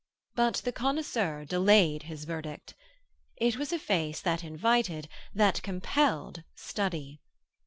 But the connoisseur delayed his verdict. It was a face that invited, that compelled, study.